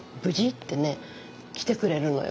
ってね来てくれるのよ。